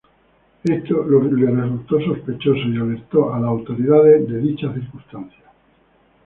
Esto le resultó sospechoso y alertó a las autoridades de dicha circunstancia.